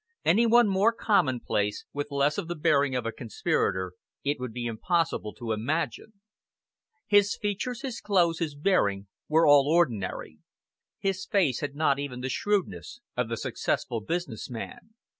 Any one more commonplace with less of the bearing of a conspirator it would be impossible to imagine. His features, his clothes, his bearing, were all ordinary. His face had not even the shrewdness of the successful business man.